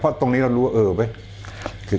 เพราะตรงนี้เรารู้ว่า